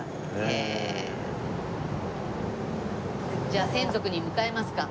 じゃあ洗足に向かいますか。